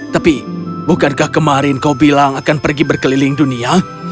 tapi bukankah kemarin kau bilang akan pergi berkeliling dunia